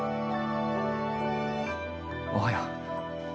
おはよう。